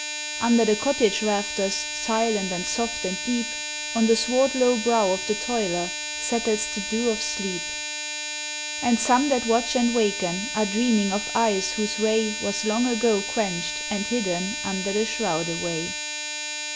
Under the cottage rafters, Silent and soft and deep, On the swart low brow of the toiler, Settles the dew of sleep. And some that watch and waken, Are dreaming of eyes whose ray Was long ago quenched and hidden Under the shroud away.